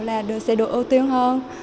sẽ được ưu tiên hơn